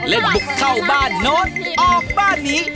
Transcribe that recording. เล่นบุกเข้าบ้านโน๊ตออกบ้านนี้